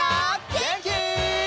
げんき？